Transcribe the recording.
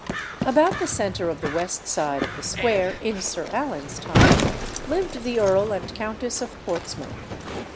About the centre of the west side of the square, in Sir Alan's time, lived the Earl and Countess of Portsmouth.